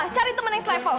udah lah cari temen yang level